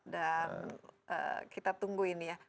dan kita tunggu ini ya